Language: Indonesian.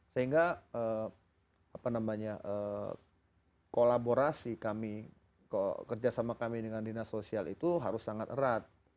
sehingga kolaborasi kami kerjasama kami dengan dinas sosial itu harus sangat erat